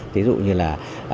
thí dụ như là